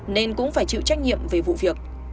nên cũng phải chịu trách nhiệm về vụ việc